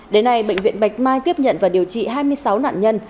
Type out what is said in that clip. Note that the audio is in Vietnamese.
đến nay bệnh viện bạch mai tiếp nhận và điều trị hai mươi sáu nạn nhân